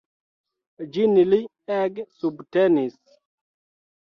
Ĝin li ege subtenis.